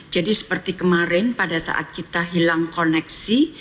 jadi seperti kemarin pada saat kita hilang koneksi